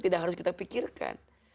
tidak harus kita pikirkan